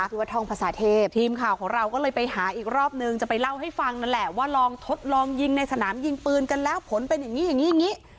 ที่วัดทองภาษาเทพทีมข่าวของเราก็เลยไปหาอีกรอบนึงจะไปเล่าให้ฟังนั่นแหละว่าลองทดลองยิงในสนามยิงปืนกันแล้วผลเป็นอย่างนี้อย่างนี้